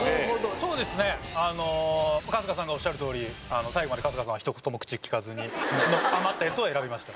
そうですね春日さんがおっしゃるとおり最後まで春日さんはひと言も口利かずに余ったやつを選びました。